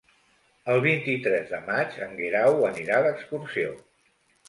El vint-i-tres de maig en Guerau anirà d'excursió.